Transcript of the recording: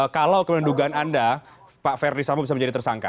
kalau kemenungan anda pak ferdisambo bisa menjadi tersangka